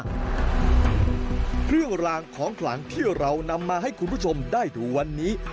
เครื่องรางของขลังที่เรานำมาให้คุณผู้ชมได้ดูวันนี้